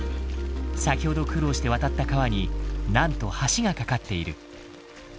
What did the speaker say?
先ほど苦労して渡った川になんと橋が架かっている。